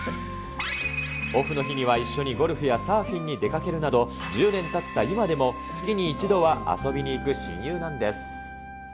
オフの日には一緒にゴルフやサーフィンに出かけるなど、１０年たった今でも、月に一度は遊びに行く親友なんです。